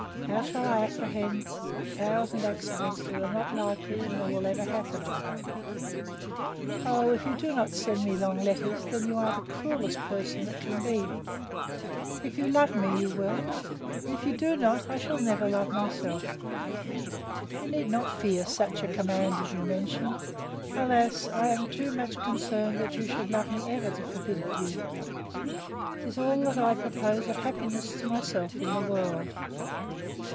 how shall I apprehend a thousand accidents that are not likely nor will ever happen, I hope! Oh, if you do not send me long letters, then you are the cruellest person that can be! If you love me you will; and if you do not, I shall never love myself. You need not fear such a command as you mention. Alas! I am too much concerned that you should love me ever to forbid it you; 'tis all that I propose of happiness to myself in the world.